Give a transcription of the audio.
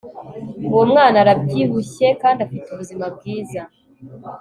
uwo mwana arabyibushye kandi afite ubuzima bwiza